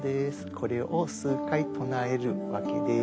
これを数回唱えるわけです。